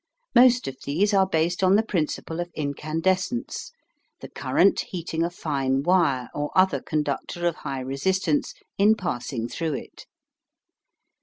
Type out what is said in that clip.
Most of these are based on the principle of incandescence, the current heating a fine wire or other conductor of high resistance in passing through it.